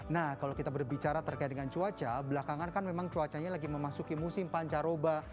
nah kalau kita berbicara terkait dengan cuaca belakangan kan memang cuacanya lagi memasuki musim pancaroba